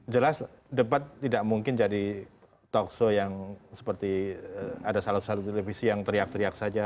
jelas debat tidak mungkin jadi talk show yang seperti ada salur salur televisi yang teriak teriak saja